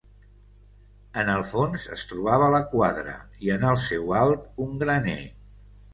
En el fons es trobava la quadra i en el seu alt un graner.